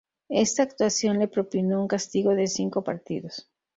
Esta acción le propinó un castigo de cinco partidos.